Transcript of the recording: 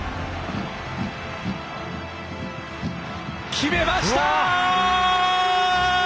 決めました！